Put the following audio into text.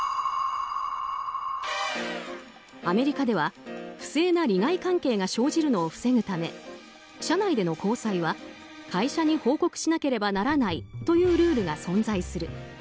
アメリカでは不正な利害関係が生じるのを防ぐため社内での交際は会社に報告しなければならないというルールが存在する。